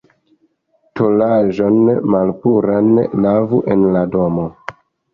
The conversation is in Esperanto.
Tolaĵon malpuran lavu en la domo.